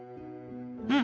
「うん。